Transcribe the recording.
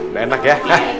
udah enak ya